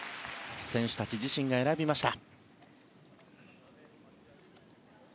選手たち自身が選びました。